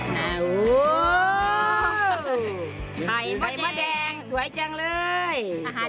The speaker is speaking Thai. ไข่ใบมะแดงสวยจังเลย